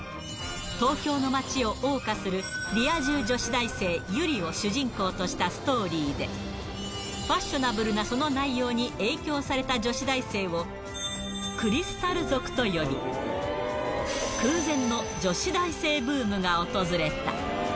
東京の街をおう歌するリア充女子大生、由利を主人公としたストーリーで、ファッショナブルなその内容に影響された女子大生を、クリスタル族と呼び、空前の女子大生ブームが訪れた。